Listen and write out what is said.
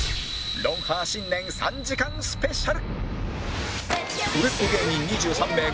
『ロンハー』新年３時間スペシャル